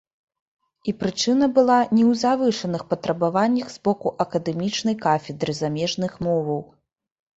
І прычына была не ў завышаных патрабаваннях з боку акадэмічнай кафедры замежных моваў.